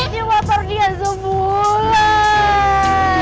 dia wapar dia sebulan